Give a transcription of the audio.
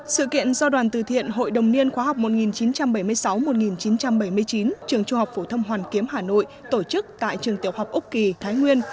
sự kiện do đoàn từ thiện hội đồng niên khóa học một nghìn chín trăm bảy mươi sáu một nghìn chín trăm bảy mươi chín trường trung học phổ thâm hoàn kiếm hà nội tổ chức tại trường tiểu học úc kỳ thái nguyên